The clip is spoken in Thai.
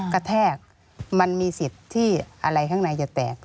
แทกมันมีสิทธิ์ที่อะไรข้างในจะแตก